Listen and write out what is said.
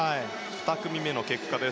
２組目の結果です。